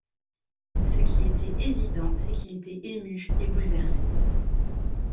Ce qui était évident, c’est qu’il était ému et bouleversé.